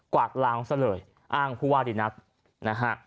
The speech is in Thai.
วาดล้างซะเลยอ้างผู้ว่าดีนักนะฮะ